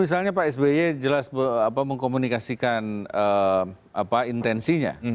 misalnya pak sby jelas mengkomunikasikan intensinya